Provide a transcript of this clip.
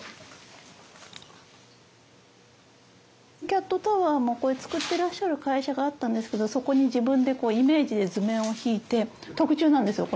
キャットタワーもこれ作ってらっしゃる会社があったんですけどそこに自分でイメージで図面を引いて特注なんですよ